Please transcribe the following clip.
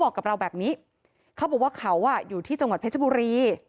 กับเราแบบนี้เขาบอกว่าเขาอยู่ที่จังหวัดเพชรบุรี